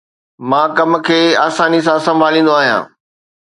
مان ڪم کي آساني سان سنڀاليندو آهيان